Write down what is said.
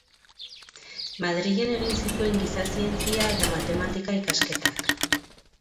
Madrilen egin zituen giza zientzia eta matematika-ikasketak.